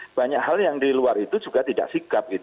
tapi banyak hal yang di luar itu juga tidak sikap